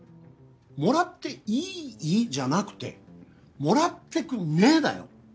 もらっていい？じゃなくてもらってくねだよ。